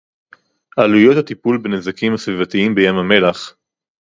עלויות הטיפול בנזקים הסביבתיים בים-המלח